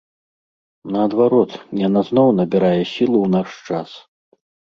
Наадварот, яна зноў набірае сілу ў наш час.